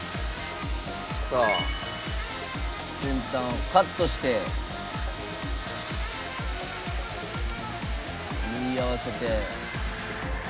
「さあ先端をカットして」「縫い合わせて」